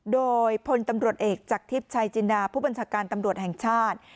โดยพลตำรวจเอกจากทิพย์ชัยจินดาผู้บัญชาการตำรวจแห่งชาติ